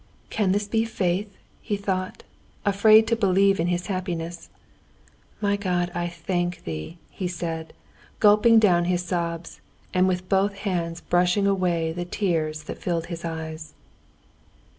"Can this be faith?" he thought, afraid to believe in his happiness. "My God, I thank Thee!" he said, gulping down his sobs, and with both hands brushing away the tears that filled his eyes.